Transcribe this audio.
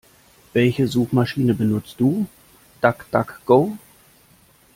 Welche Suchmaschiene benutzt du? DuckDuckGo?